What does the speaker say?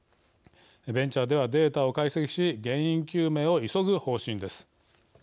ベンチャーではデータを解析し原因究明を急ぐ方針です。